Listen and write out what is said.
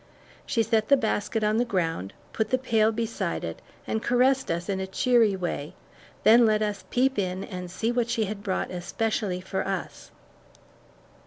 She set the basket on the ground, put the pail beside it, and caressed us in a cheery way, then let us peep in and see what she had brought especially for us.